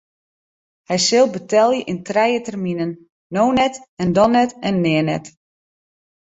Hy sil betelje yn trije terminen: no net en dan net en nea net.